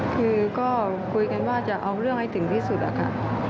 คือก็คุยกันว่าจะเอาเรื่องให้ถึงที่สุดอะค่ะ